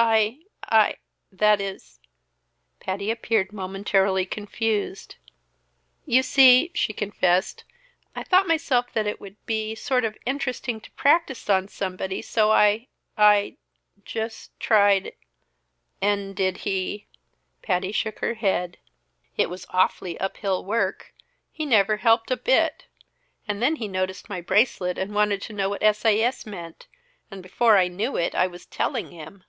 "I I that is " Patty appeared momentarily confused. "You see," she confessed, "I thought myself that it would be sort of interesting to practice on somebody, so I I just tried " "And did he " Patty shook her head. "It was awfully uphill work. He never helped a bit. And then he noticed my bracelet and wanted to know what S. A. S. meant. And before I knew it, I was telling him!"